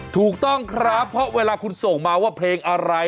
ถูกต้องครับเพราะเวลาคุณส่งมาว่าเพลงอะไร